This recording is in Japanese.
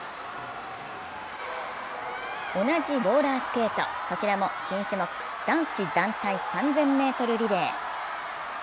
同じローラースケート、こちらも新種目男子団体３０００ｍリレー。